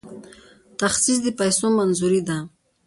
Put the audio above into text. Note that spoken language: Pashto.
تخصیص د پیسو منظوري ده